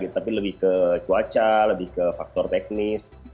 tapi lebih ke cuaca lebih ke faktor teknis